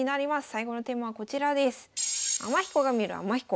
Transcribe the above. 最後のテーマはこちらです。